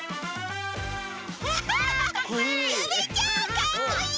かっこいい！